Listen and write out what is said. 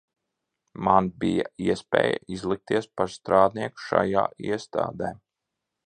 Man bija iespēja izlikties par strādnieku šajā iestādē.